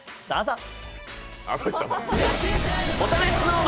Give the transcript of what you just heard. どうぞ。